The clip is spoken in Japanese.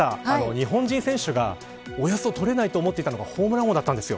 日本人選手がおよそ取れないと思っていたのがホームラン王だったんです。